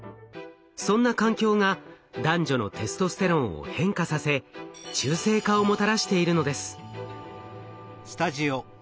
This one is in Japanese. そんな環境が男女のテストステロンを変化させ中性化をもたらしているのです。